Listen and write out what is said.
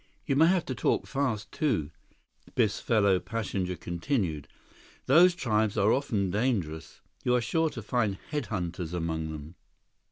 "You may have to talk fast, too," Biff's fellow passenger continued. "Those tribes are often dangerous. You are sure to find head hunters among them."